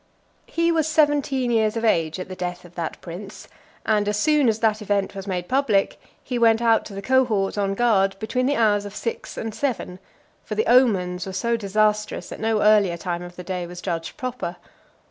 VIII. He was seventeen years of age at the death of that prince , and as soon as that event was made public, he went out to the cohort on guard between the hours of six and seven; for the omens were so disastrous, that no earlier time of the day was judged proper.